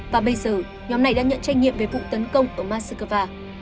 và bây giờ nhóm này đã nhận trách nhiệm về vụ tấn công ở moscow